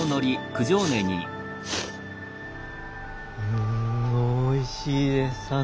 うんおいしいです。